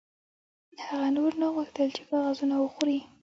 هغه نور نه غوښتل چې کاغذونه وخوري